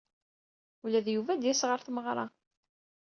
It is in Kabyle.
Ula d Yuba ad yas ɣer tmeɣṛa.